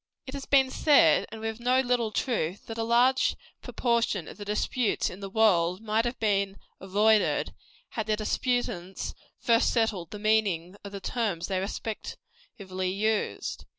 It has been said, and with no little truth, that a large proportion of the disputes in the world might have been avoided, had the disputants first settled the meaning of the terms they respectively used.